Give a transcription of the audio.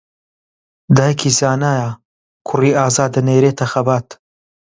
دایکی زانایە کوڕی ئازا دەنێرێتە خەبات